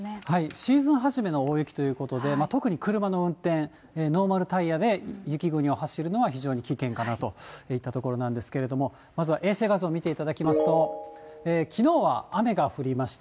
シーズン初めの大雪ということで、特に車の運転、ノーマルタイヤで雪国を走るのは、非常に危険かなといったところなんですけど、まずは衛星画像を見ていただきますと、きのうは雨が降りました。